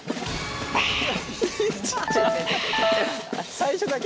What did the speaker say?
最初だけ？